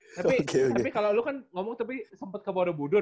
tapi kalo lu kan ngomong tapi sempet ke borobudur